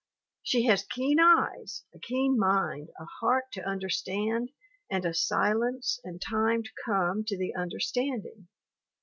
She has keen eyes, a keen mind, a heart to under stand and a silence and time to come to the under standing.